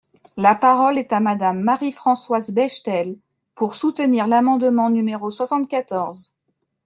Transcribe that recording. La parole est à Madame Marie-Françoise Bechtel, pour soutenir l’amendement numéro soixante-quatorze.